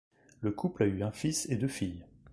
Le couple a eu un fils et deux filles.